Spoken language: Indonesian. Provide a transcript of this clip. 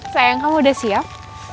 sayang kamu udah siap